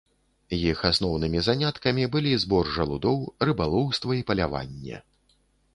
Іх асноўнымі заняткамі былі збор жалудоў, рыбалоўства і паляванне.